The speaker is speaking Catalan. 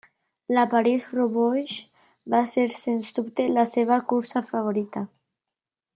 La París-Roubaix va ser sens dubte la seva cursa favorita.